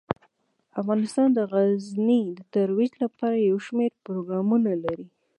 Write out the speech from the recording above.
افغانستان د غزني د ترویج لپاره یو شمیر پروګرامونه لري.